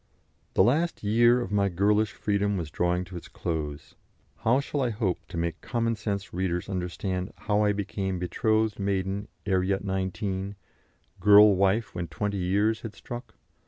The last year of my girlish freedom was drawing to its close; how shall I hope to make commonsense readers understand how I became betrothed maiden ere yet nineteen, girl wife when twenty years had struck?